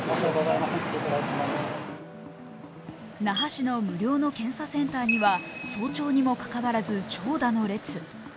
那覇市の無料の検査センターには早朝にもかかわらず長蛇の列。